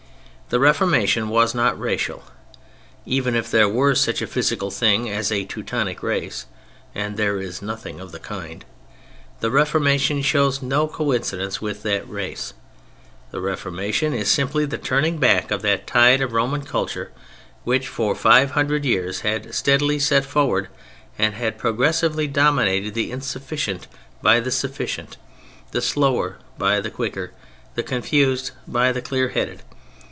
The Reformation was not racial. Even if there were such a physical thing as a "Teutonic Race" (and there is nothing of the kind), the Reformation shows no coincidence with that race. The Reformation is simply the turning back of that tide of Roman culture which, for five hundred years, had set steadily forward and had progressively dominated the insufficient by the sufficient, the slower by the quicker, the confused by the clear headed.